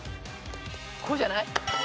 こうじゃない？